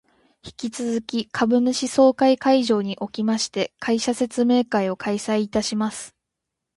引き続き株主総会会場におきまして、会社説明会を開催いたします